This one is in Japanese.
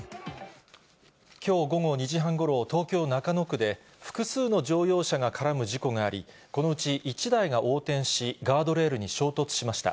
きょう午後２時半ごろ、東京・中野区で、複数の乗用車が絡む事故があり、このうち、１台が横転し、ガードレールに衝突しました。